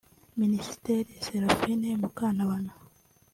Minisitiri Seraphine Mukantabana